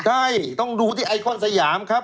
ใช่ต้องดูที่ไอคอนสยามครับ